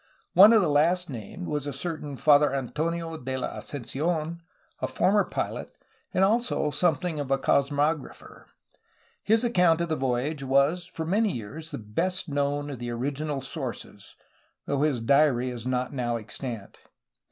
One of the last named was a certain Father Antonio de la Ascensi6n, a former pilot, and also something of a cosmographer. His account of the voyage was for many years the best known of the original sources, though his diary is not now extant.